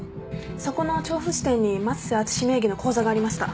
そこの調布支店に升瀬淳史名義の口座がありました。